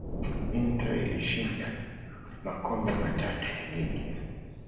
inter ilishinda makombe matatu ya ligi